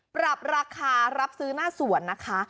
ปรับราคารับซื้อหน้าสวนนะคะ